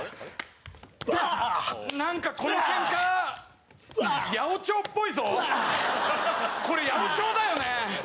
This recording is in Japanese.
なんかこのけんか八百長っぽいぞこれ八百長だよね？